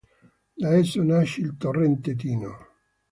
Da esso nasce il torrente Tino.